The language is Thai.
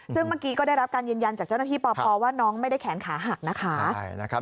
ซึ่งเมื่อกี้ก็ได้รับการยืนยันจากเจ้าหน้าที่ปพว่าน้องไม่ได้แขนขาหักนะคะ